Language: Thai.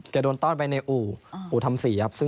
แกโดนตอดไปในอู่อู่ทำศรีครับ